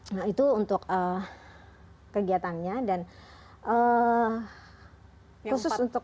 nah itu untuk kegiatannya dan khusus untuk